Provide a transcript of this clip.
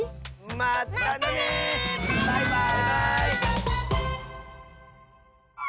まったねバイバーイ！